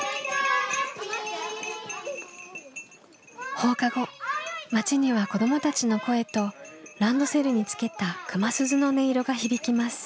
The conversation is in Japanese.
放課後町には子どもたちの声とランドセルにつけた熊鈴の音色が響きます。